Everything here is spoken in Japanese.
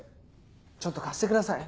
ちょっと貸してください。